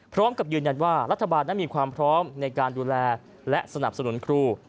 พร้อมกับยืนยันว่ารัฐบาลนั้นมีความพร้อมในการดูแลและสนับสนุนครู